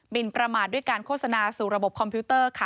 ประมาทด้วยการโฆษณาสู่ระบบคอมพิวเตอร์ค่ะ